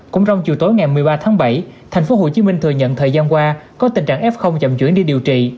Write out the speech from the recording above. cũng trong chiều tối ngày một mươi ba tháng bảy thành phố hồ chí minh thừa nhận thời gian qua có tình trạng f chậm chuyển đi điều trị